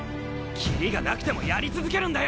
キリがなくてもやり続けるんだよ！